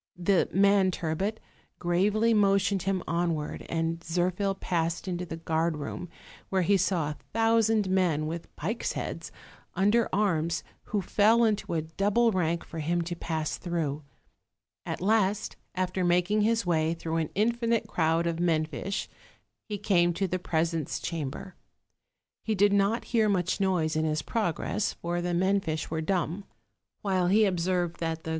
The man turbot gravely motioned him onward, and Zirphil passed into the guard room, where he saw a thousand men, with pikes' heads, under arms, who fell into a double rank for him to pass through: at last, after making his way through an in finite crowd of men fish, he came to the presence cham ber. He did not hear much noise in his progress, for the men fish were dumb; while he observed that the 296 OLD, OLD FAIRY TALES.